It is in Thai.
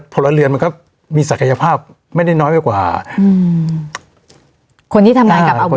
พลเรือนมันก็มีศักยภาพไม่ได้น้อยไปกว่าอืมคนที่ทำงานกับอาวุธ